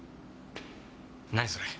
何それ？